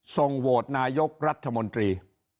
ส่งโหวตนายกรัฐมนตรี